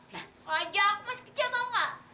nah wajah aku masih kecil tau gak